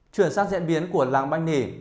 chuyển sang diễn biến của lange bachny